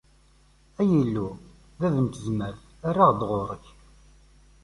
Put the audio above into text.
Ay Illu, bab n tzemmar, err-aɣ-d ɣur-k!